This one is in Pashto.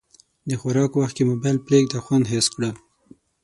د خوراک وخت کې موبایل پرېږده، خوند حس کړه.